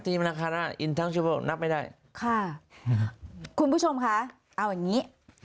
ตีมันราคานะนับไม่ได้ค่ะคุณผู้ชมคะเอาอย่างงี้